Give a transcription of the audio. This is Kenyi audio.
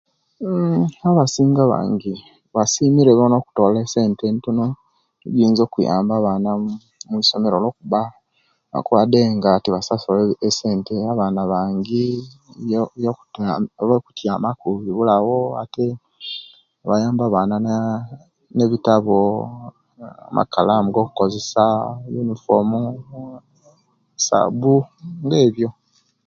Uuh abasinga abangi basimire bona okutora esente entono ejiyinza okuyamba abana mwisomere olwokuba okwade nga tebasasula esente abana bangi eyo ebyokutyama ku bibulawo ate bayamba abana na nebitabo, amakalamu agokukkosesia eyunifomu, saba buli ebyo